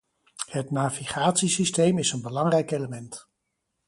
Het navigatiesysteem is een belangrijk element.